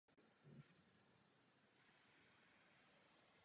Hlavním spojením obce se světem.